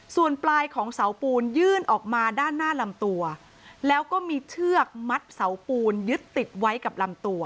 ส่วนปลายของเสาปูนยื่นออกมาด้านหน้าลำตัวแล้วก็มีเชือกมัดเสาปูนยึดติดไว้กับลำตัว